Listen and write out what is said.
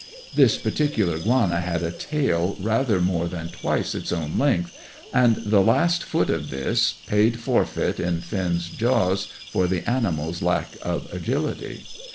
This particular 'guana had a tail rather more than twice its own length, and the last foot of this paid forfeit in Finn's jaws for the animal's lack of agility.